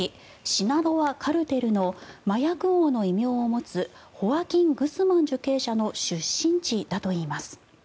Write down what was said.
シナロア・カルテルの麻薬王の異名を持つホアキン・グスマン受刑者の出身地だといいます。